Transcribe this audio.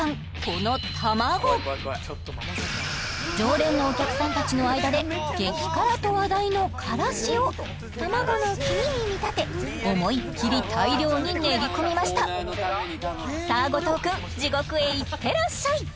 この卵常連のお客さんたちの間で激辛と話題のからしを卵の黄身に見立て思いっきり大量に練り込みましたさあ後藤くん地獄へ行ってらっしゃい！